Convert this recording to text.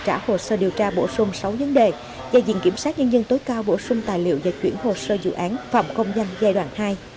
trả hồ sơ điều tra bổ sung sáu vấn đề về diện kiểm soát nhân dân tối cao bổ sung tài liệu và chuyển hồ sơ dự án phạm công danh giai đoạn hai